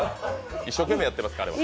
一生懸命やってます、彼は。